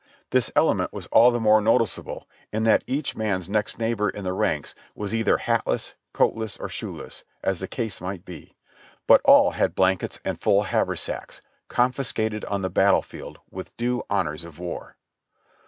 This element was all the more notice able, in that each man's next neighbor in the ranks was either hatless, coatless or shoeless, as the case might be; but all had 26o JOHNNY REB AND BILLY YANK blankets and full haversacks, confiscated on the battle field with due honors of war.